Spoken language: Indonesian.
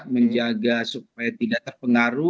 ya menjaga supaya tidak terpengaruh ya